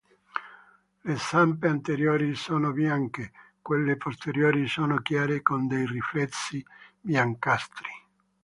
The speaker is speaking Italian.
Le zampe anteriori sono bianche, quelle posteriori sono chiare con dei riflessi biancastri.